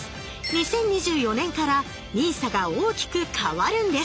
２０２４年からＮＩＳＡが大きく変わるんです。